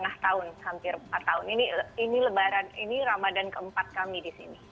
nah hampir empat tahun ini lebaran ini ramadan keempat kami di sini